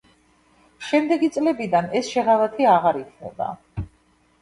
შემდეგი წლებიდან ეს შეღავათი აღარ იქნება.